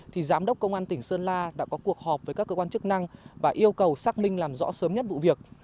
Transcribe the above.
thì giám đốc công an tỉnh sơn la đã có cuộc họp với các cơ quan chức năng và yêu cầu xác minh làm rõ sớm nhất vụ việc